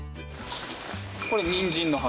これにんじんの花。